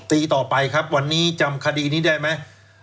ต่อไปครับวันนี้จำคดีนี้ได้ไหม